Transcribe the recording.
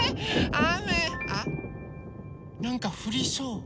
あっなんかふりそう。